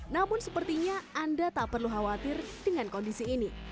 namun sepertinya anda tak perlu khawatir dengan kondisi ini